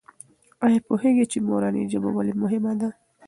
آیا پوهېږې چې مورنۍ ژبه ولې مهمه ده؟